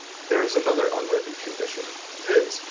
There is another un written condition, viz.